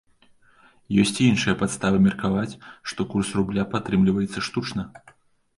Ёсць і іншыя падставы меркаваць, што курс рубля падтрымліваецца штучна.